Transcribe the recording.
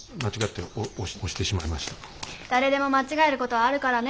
誰でも間違えることはあるからね。